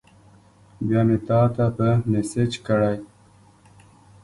بیا مې تاته په میسج کړی